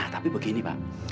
tapi begini pak